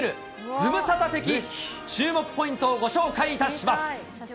ズムサタ的注目ポイントをご紹介いたします。